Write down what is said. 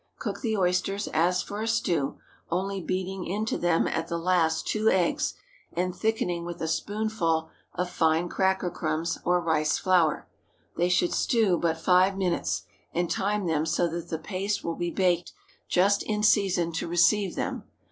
Cook the oysters as for a stew, only beating into them at the last two eggs, and thickening with a spoonful of fine cracker crumbs or rice flour. They should stew but five minutes, and time them so that the paste will be baked just in season to receive them.